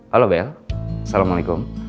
halo bel assalamualaikum